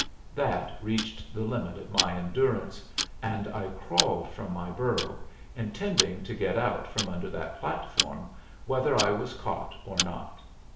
That reached the limit of my endurance, and I crawled from my burrow, intending to get out from under that platform, whether I was caught or not.